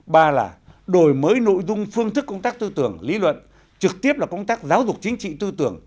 ba là đổi mới nội dung phương thức công tác tư tưởng lý luận trực tiếp là công tác giáo dục chính trị tư tưởng